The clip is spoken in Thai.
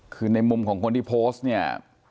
คือในมุมของคนที่โพสต์เนี่ย